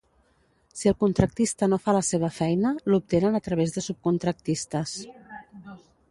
Si el contractista no fa la seva feina, l'obtenen a través de subcontractistes.